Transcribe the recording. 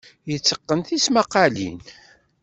Yetteqqen tismaqqalin.